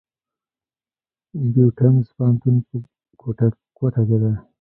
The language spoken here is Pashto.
بيوټمز پوهنتون په کوټه کښي دی.